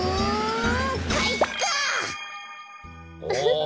お！